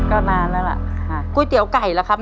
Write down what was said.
เพื่อชิงทุนต่อชีวิตสุด๑ล้านบาท